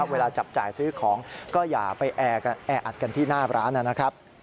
เวลาจับจ่ายซื้อของก็อย่าไปแออัดกันที่หน้าร้านนะครับ